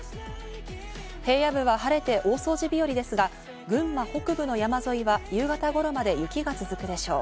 平野部は晴れて大掃除日和ですが、群馬北部の山沿いは夕方頃まで雪が続くでしょう。